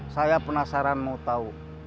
saya penasaran mau tahu